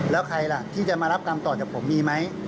แล้วใครล่ะที่จะมารับกรรมต่อจากผมมีไหม